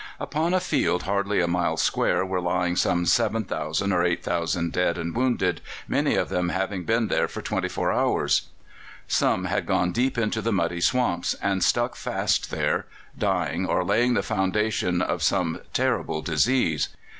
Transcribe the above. Upon a field hardly a mile square were lying some 7,000 or 8,000 dead and wounded, many of them having been there for twenty four hours. Some had gone deep into the muddy swamps and stuck fast there, dying or laying the foundation of some terrible disease.